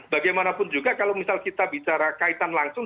bagaimanapun juga kalau misal kita bicara kaitan langsung